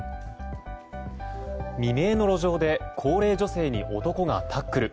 未明の路上で高齢女性に男がタックル。